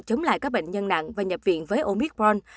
chống lại các bệnh nhân nặng và nhập viện với omicron